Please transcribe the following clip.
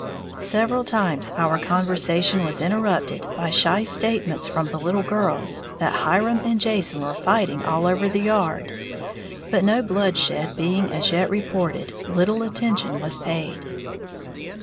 Several times our conversation was interrupted by shy statements from the little girls that Hiram and Jason were fighting all over the yard; but no bloodshed being as yet reported, little attention was paid.